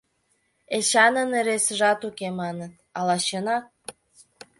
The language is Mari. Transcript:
Эчанын ыресыжат уке, маныт, ала чынак?